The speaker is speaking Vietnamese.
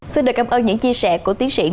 xin được cảm ơn những chia sẻ của tiến sĩ